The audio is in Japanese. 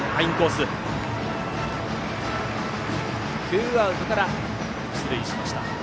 ツーアウトから出塁しました。